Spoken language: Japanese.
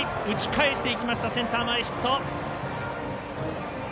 打ち返していってセンター前ヒット。